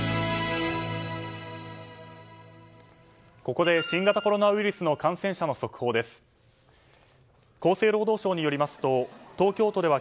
ここで新型コロナウイルスの感染者の速報です。